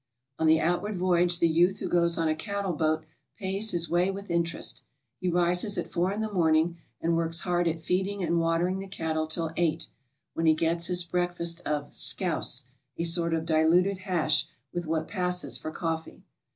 On the outward voyage the youth who goes on a cattle boat pays his way with interest. He rises at 4 in the morn ing and works hard at feeding and watering the cattle till 8, when he gets his breakfast of "scouse," a sort of diluted hash, with what passes for coffee.